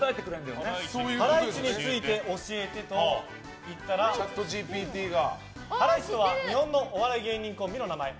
ハライチについて教えてと言ったらハライチとは日本のお笑い芸人コンビの名前。